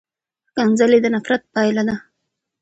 ښکنځلې د نفرت پایله ده.